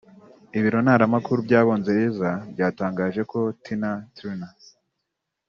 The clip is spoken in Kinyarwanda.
Ibiro ntaramakuru by’Abongereza byatangaje ko Tina Turner